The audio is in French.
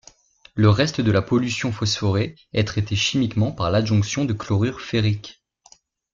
Le reste de la pollution phosphorée est traité chimiquement par l’adjonction de chlorure ferrique.